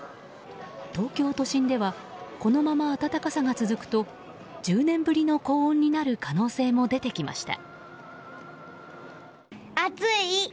東京都心ではこのまま暖かさが続くと１０年ぶりの高温になる可能性も出てきました。